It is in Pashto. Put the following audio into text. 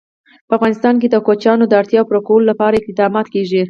په افغانستان کې د کوچیان د اړتیاوو پوره کولو لپاره اقدامات کېږي.